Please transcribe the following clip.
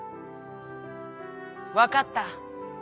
「わかった。